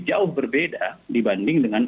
jauh berbeda dibanding dengan